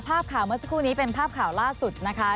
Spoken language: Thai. ภาพข่าวเมื่อสักครู่นี้เป็นภาพข่าวล่าสุดนะคะ